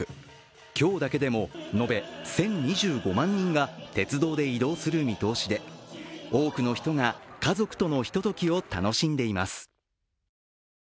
今日だけでも延べ１０２５万人が鉄道で移動する見通しで多くの人が家族とのひとときを楽しんでいます。